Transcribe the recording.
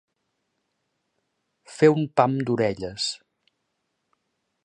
Fer un pam d'orelles.